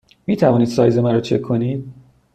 می توانید سایز مرا چک کنید؟